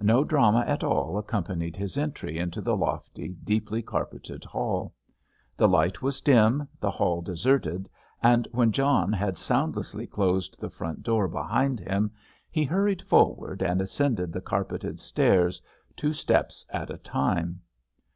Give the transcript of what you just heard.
No drama at all accompanied his entry into the lofty, deeply carpeted hall. The light was dim, the hall deserted, and when John had soundlessly closed the front door behind him, he hurried forward and ascended the carpeted stairs, two steps at a time.